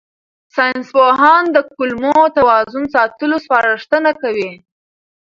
ساینسپوهان د کولمو توازن ساتلو سپارښتنه کوي.